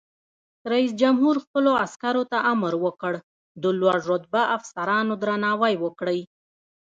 رئیس جمهور خپلو عسکرو ته امر وکړ؛ د لوړ رتبه افسرانو درناوی وکړئ!